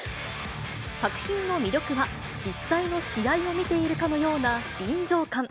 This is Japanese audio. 作品の魅力は、実際の試合を見ているかのような臨場感。